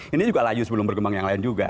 ini juga layu sebelum bergembang yang lain juga